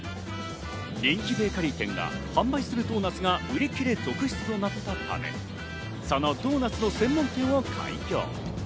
人気ベーカリー店が販売するドーナツが売り切れ続出となったため、そのドーナツの専門店も開業。